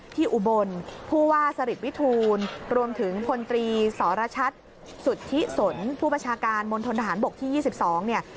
ที่อุบลผู้ว่าสริปวิทูลรวมถึงพลตรีสรชัตริ์สุทธิสนผู้ประชาการมนตรฐานบกที่๒๒